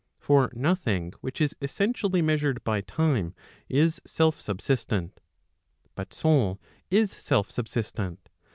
For nothing which is essentially measured by time is self subsistent. But soul is self subsistent.